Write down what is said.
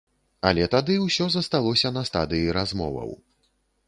Але тады ўсё засталося на стадыі размоваў.